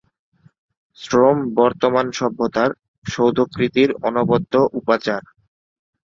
শ্রম বর্তমান সভ্যতার সৌধকৃতির অনবদ্য উপাচার।